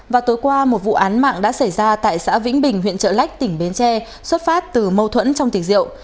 và tối qua một vụ án mạng đã xảy ra tại xã vĩnh bình huyện trợ lách tỉnh bến tre xuất phát từ mâu thuẫn trong tỉnh rượu